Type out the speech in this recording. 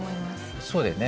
そうだよね